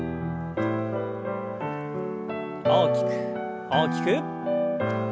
大きく大きく。